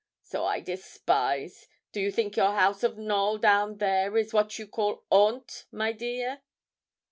So I despise. Do you think your house of Knowl down there is what you call haunt, my dear?'